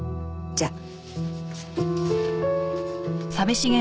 じゃあ。